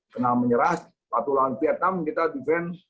kenal menyerah patulan prm kita defend